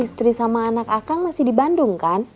istri sama anak akag masih di bandung kan